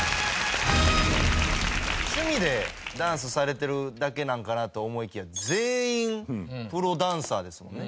趣味でダンスされてるだけなんかなと思いきや全員プロダンサーですもんね。